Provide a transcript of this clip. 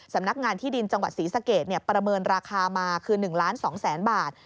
สำนักงานที่ดินจังหวัดศรีสะเกดประเมินราคามาคือ๑ล้าน๒แสนบาท